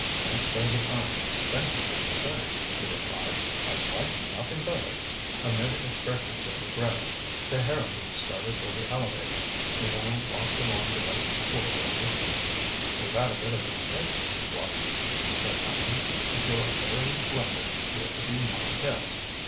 "Can't spare the time thank you just the same," he replied. "I'd like nothing better " Amid expressions of regret, the Harrowbys started for the elevator. Minot walked along the dusky corridor with them. "We've had a bit of excitement what?" said Allan. "If you're ever in London, you're to be my guest.